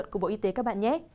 của bộ y tế các bạn nhé